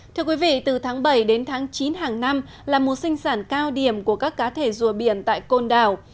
thưa quý vị từ tháng bảy đến tháng chín hàng năm là mùa sinh sản cao điểm của các cá thể rùa biển tại côn đảo